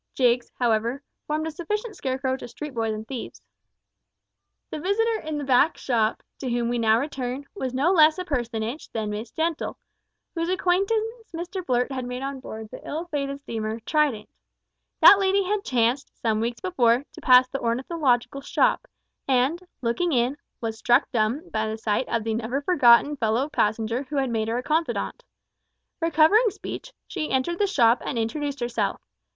Jiggs, however, formed a sufficient scarecrow to street boys and thieves. The visitor in the back shop to whom we now return was no less a personage than Miss Gentle, whose acquaintance Mr Blurt had made on board the ill fated mail steamer Trident. That lady had chanced, some weeks before, to pass the ornithological shop, and, looking in, was struck dumb by the sight of the never forgotten fellow passenger who had made her a confidant. Recovering speech, she entered the shop and introduced herself.